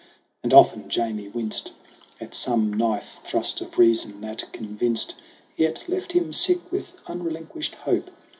' And often Jamie winced At some knife thrust of reason that convinced Yet left him sick with unrelinquished hope.